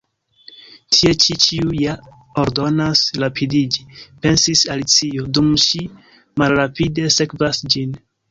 "Tie ĉi ĉiu ja ordonas rapidiĝi," pensis Alicio, dum ŝi malrapide sekvas ĝin.